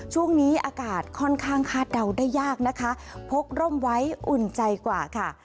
ช่วงนี้อากาศค่อนข้างคาดเดาได้ยากนะคะพกร่มไว้อุ่นใจกว่าค่ะ